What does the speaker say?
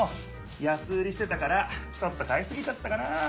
やす売りしてたからちょっと買いすぎちゃったかな。